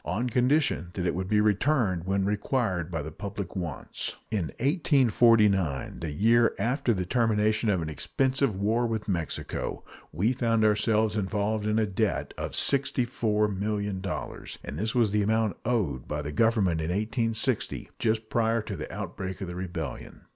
on condition that it should be returned when required by the public wants. In 1849 the year after the termination of an expensive war with Mexico we found ourselves involved in a debt of $64,000,000; and this was the amount owed by the Government in 1860, just prior to the outbreak of the rebellion.